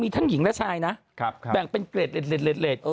ทั้งหญิงและชายนะแบ่งเป็นเกรด